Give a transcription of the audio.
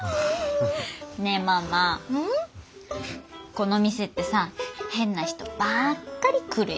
この店ってさ変な人ばっかり来るよね。